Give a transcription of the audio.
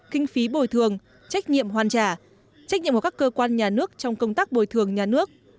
kinh phí bồi thường trách nhiệm hoàn trả trách nhiệm của các cơ quan nhà nước trong công tác bồi thường nhà nước